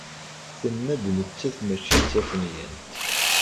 Tenna-d nettat mačči d tafenyant.